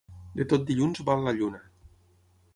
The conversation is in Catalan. De tot dilluns val la lluna.